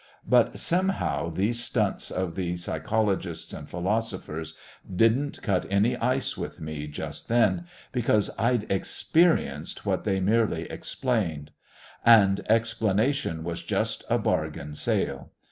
But somehow these stunts of the psychologists and philosophers didn't cut any ice with me just then, because I'd experienced what they merely explained. And explanation was just a bargain sale.